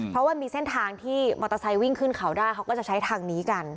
เพราะว่ามีเส้นทางที่มอเตอร์ไซค์วิ่งขึ้นเขาได้เขาก็จะใช้ทางนี้กัน